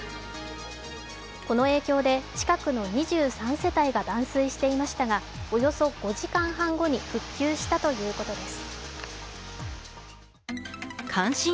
この影響で近くの２３世帯が断水していましたがおよそ５時間半後に復旧したということです。